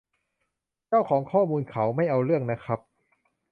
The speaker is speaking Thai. เจ้าของข้อมูลเขาไม่เอาเรื่องนะครับ